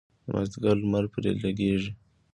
د مازدیګر لمر پرې لګیږي.